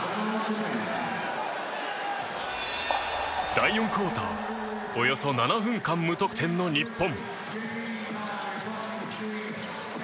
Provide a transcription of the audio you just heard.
第４クオーターおよそ７分間、無得点の日本。